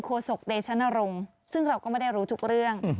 โศกเดชนรงค์ซึ่งเราก็ไม่ได้รู้ทุกเรื่อง